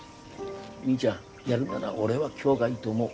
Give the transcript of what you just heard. みーちゃんやるなら俺は今日がいいと思う。